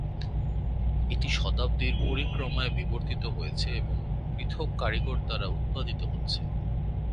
এটি শতাব্দীর পরিক্রমায় বিবর্তিত হয়েছে এবং পৃথক কারিগর দ্বারা উৎপাদিত হচ্ছে।